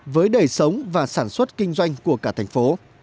với đời sống và sản xuất kinh doanh của cả thành phố